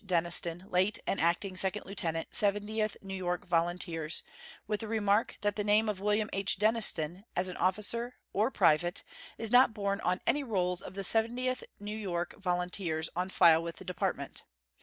Denniston, late an acting second lieutenant, Seventieth New York Volunteers," with the remark that the name of William H. Denniston, as an officer or private, is not borne on any rolls of the Seventieth New York Volunteers on file in the Department.